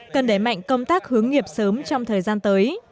cần đẩy mạnh công tác hướng nghiệp sớm trong thời gian tới